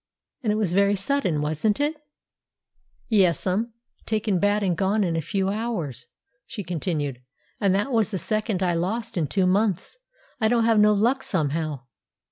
"And it was very sudden, wasn't it?" "Yes'm; taken bad and gone in a few hours," she continued. "And that was the second I lost in two months. I don't have no luck somehow."